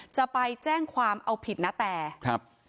จะไปแจ้งความเอาผิดณแตครับ